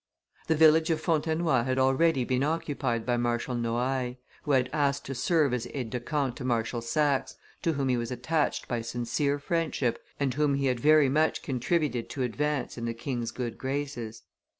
The village of Fontenoy had already been occupied by Marshal Noailles, who had asked to serve as aide de camp to Marshal Saxe, to whom he was attached by sincere friendship, and whom he had very much contributed to advance in the king's good graces.